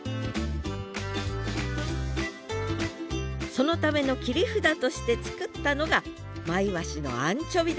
そのための切り札として作ったのがマイワシのアンチョビです。